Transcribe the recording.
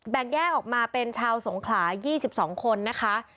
แยกออกมาเป็นชาวสงขลา๒๒คนนะคะ